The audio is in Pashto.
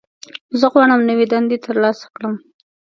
زه غواړم نوې دنده ترلاسه کړم.